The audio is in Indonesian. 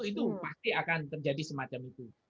pikiran saya saya pikirkan itu akan terjadi semacam itu